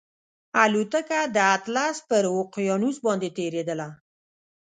الوتکه د اطلس پر اقیانوس باندې تېرېدله